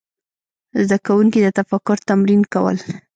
زده کوونکي د تفکر تمرین کول.